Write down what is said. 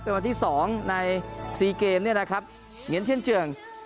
เป็นวันที่๒ใน๔เกมเนี่ยนะครับเหงียนเทียนเจือง